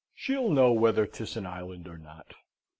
She'll know whether 'tis an island or not."